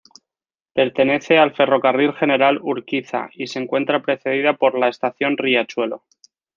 Pertenece al Ferrocarril General Urquiza y se encuentra precedida por la Estación Riachuelo.